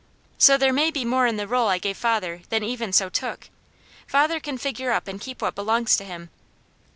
So there may be more in the roll I gave father than Even So took. Father can figure up and keep what belongs to him.